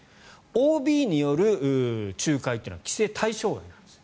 ＯＢによる仲介というのは規制対象外なんです。